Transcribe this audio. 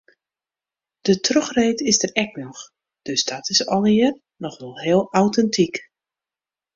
De trochreed is der ek noch, dus dat is allegear noch wol heel autentyk.